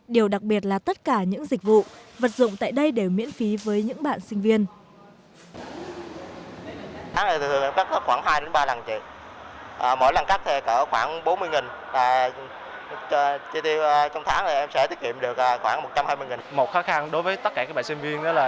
điều đặc biệt là tất cả những dịch vụ vật dụng tại đây đều miễn phí với những bạn sinh viên